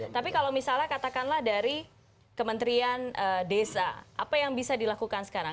tapi kalau misalnya katakanlah dari kementerian desa apa yang bisa dilakukan sekarang